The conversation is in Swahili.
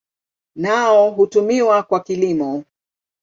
Nao hutumiwa kwa kilimo.